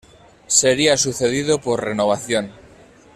Sería sucedido por "Renovación".